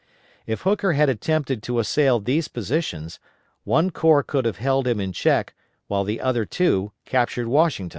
If Hooker had attempted to assail these positions, one corps could have held him in check, while the other two captured Washington.